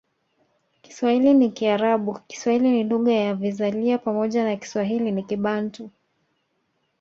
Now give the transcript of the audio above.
Kiswahili ni Kiarabu Kiswahili ni lugha ya vizalia pamoja na Kiswahili ni Kibantu